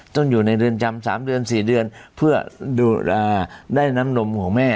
ต้องอยู่ในเรือนจำ๓เดือน๔เดือนเพื่อได้น้ำนมของแม่